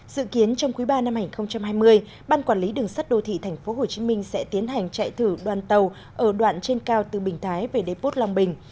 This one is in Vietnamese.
dự kiến trong quý ba năm hai nghìn hai mươi ban quản lý đường sắt đô thị tp hcm sẽ tiến hành chạy thử đoàn tàu ở đoạn trên cao từ bình thái về đếp bốt long bình